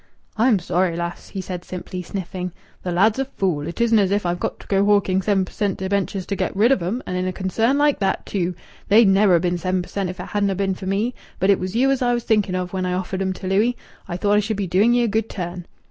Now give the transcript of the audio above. "I'm sorry, lass!" he said simply, sniffing. "The lad's a fool. It isn't as if I've got to go hawking seven per cent. debentures to get rid of 'em and in a concern like that, too! They'd never ha' been seven per cent if it hadna been for me. But it was you as I was thinking of when I offered 'em to Louis. I thought I should be doing ye a good turn."